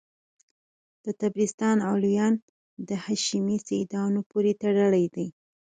د طبرستان علویان د هاشمي سیدانو پوري تړلي دي.